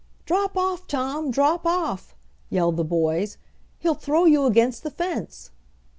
"Drop off, Tom, drop off!" yelled the boys. "He'll throw you against the fence!"